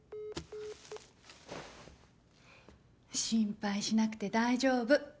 心配しなくて大丈夫。